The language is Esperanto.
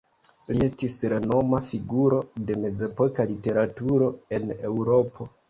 Li estis renoma figuro de mezepoka literaturo en Eŭropo.